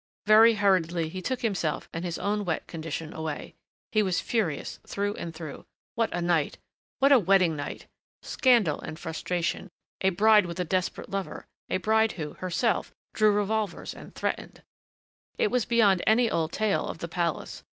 Very hurriedly he took himself and his own wet condition away. He was furious, through and through. What a night what a wedding night! Scandal and frustration... a bride with a desperate lover... a bride who, herself, drew revolvers and threatened. It was beyond any old tale of the palace.